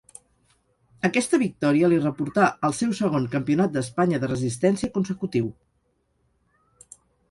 Aquesta victòria li reportà el seu segon Campionat d'Espanya de resistència consecutiu.